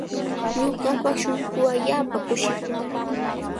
Ñuqapa shunquu allaapa kushikun.